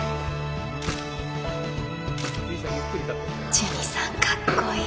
ジュニさんかっこいい。